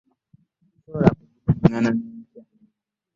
Sisobola kugiddingana n'enkya.